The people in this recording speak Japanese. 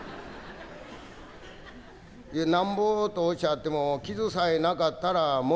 「いや何ぼとおっしゃっても傷さえなかったら元の値段で」。